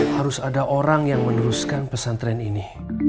harus ada orang yang meneruskan pesan tren ini